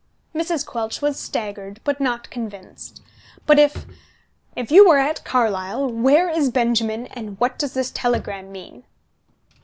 Mrs. Quelch was staggered, but not convinced. "But if if you were at Carlisle, where is Benjamin, and what does this telegram mean?"